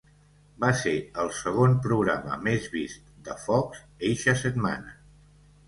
Va ser el segon programa més vist de Fox eixa setmana.